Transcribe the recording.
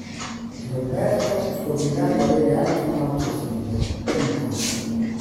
Roberto scoprirà di avere anche un altro figlio, Tommaso.